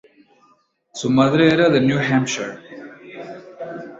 Su madre era de New Hampshire.